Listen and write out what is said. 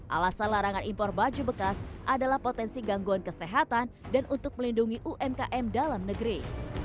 alasan larangan impor baju bekas adalah potensi gangguan kesehatan dan untuk melindungi umkm dalam negeri